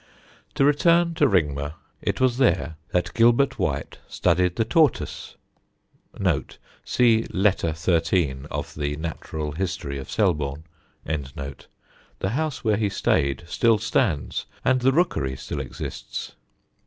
To return to Ringmer, it was there that Gilbert White studied the tortoise (see Letter xiii of The Natural History of Selborne). The house where he stayed still stands, and the rookery still exists.